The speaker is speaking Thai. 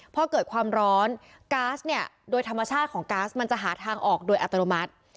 พอเกิดความร้อนก๊าซเนี่ยโดยธรรมชาติของก๊าซมันจะหาทางออกโดยอัตโนมัติ